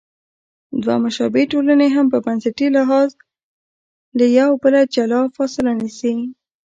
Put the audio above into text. دوه مشابه ټولنې هم په بنسټي لحاظ له یو بله جلا او فاصله نیسي.